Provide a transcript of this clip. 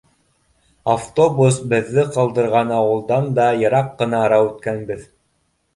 Автобус беҙҙе ҡалдырған ауылдан да йыраҡ ҡына ара үткәнбеҙ.